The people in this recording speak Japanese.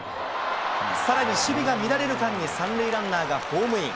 さらに守備が乱れる間に３塁ランナーがホームイン。